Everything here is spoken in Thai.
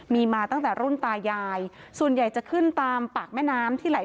มีมาตั้งแต่รุ่นตายายส่วนใหญ่จะขึ้นตามปากแม่น้ำที่ไหล